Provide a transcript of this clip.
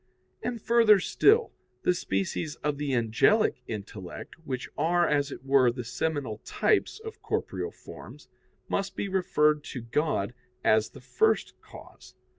And, further still, the species of the angelic intellect, which are, as it were, the seminal types of corporeal forms, must be referred to God as the first cause.